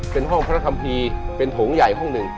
เป็นห้องพระคัมภีร์ห้องหนึ่ง